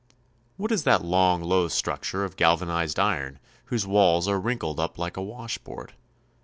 What is that long, low structure of galvanized iron whose walls are wrinkled up like a washboard?